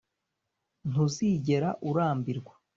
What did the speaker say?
ntuzigera urambirwa.